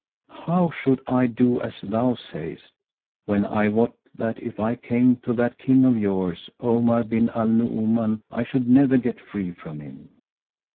How should I do as thou sayest, when I wot that if I came to that King of yours, Omar bin al Nu'uman, I should never get free from him?